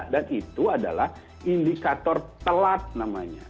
dan itu adalah indikator telat namanya